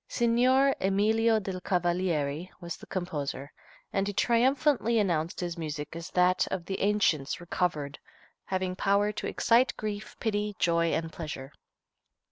Signor Emilio del Cavalieri was the composer, and he triumphantly announced his music as that "of the ancients recovered," having power to "excite grief, pity, joy and pleasure."